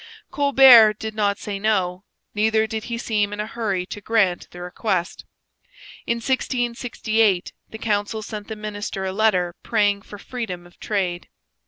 Colbert did not say no; neither did he seem in a hurry to grant the request. In 1668 the council sent the minister a letter praying for freedom of trade.